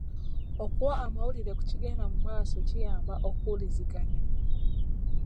Okuwa amawulire ku kigenda mumaaso kiyamba okuwuliziganya.